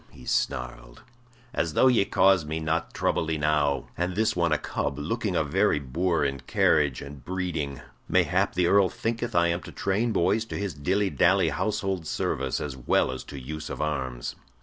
he snarled. "As though ye caused me not trouble enow; and this one a cub, looking a very boor in carriage and breeding. Mayhap the Earl thinketh I am to train boys to his dilly dally household service as well as to use of arms."